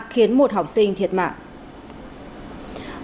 khiến một học sinh thiệt mạng